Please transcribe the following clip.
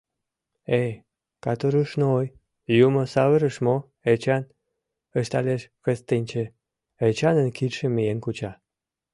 — Эй, катурушной, юмо савырыш мо, Эчан? — ышталеш Кыстинчи, Эчанын кидшым миен куча.